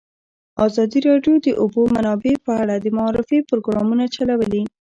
ازادي راډیو د د اوبو منابع په اړه د معارفې پروګرامونه چلولي.